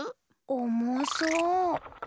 おもそう。